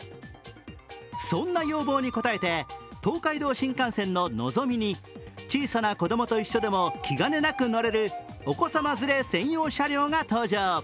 そんな要望に応えて東海道新幹線ののぞみに小さな子供と一緒でも気兼ねなく乗れるお子さま連れ専用車両が登場。